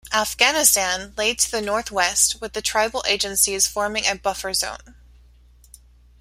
Afghanistan lay to the northwest, with the tribal agencies forming a buffer zone.